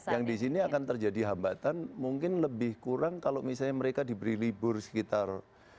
yang di sini akan terjadi hambatan mungkin lebih kurang kalau misalnya mereka diberi libur sekitar